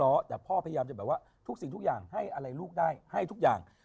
้อแต่พ่อพยายามจะแบบว่าทุกสิ่งทุกอย่างให้อะไรลูกได้ให้ทุกอย่าง